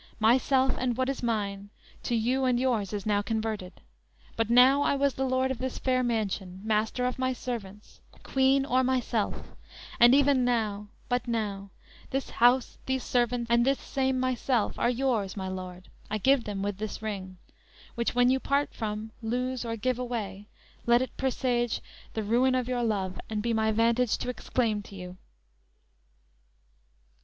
Myself and what is mine, to you and yours Is now converted; but now I was the Lord Of this fair mansion, master of my servants, Queen o'er myself; and even now, but now, This house, these servants, and this same myself, Are yours, my Lord, I give them with this ring; Which when you part from, lose, or give away, Let it presage the ruin of your love, And be my vantage to exclaim to you!"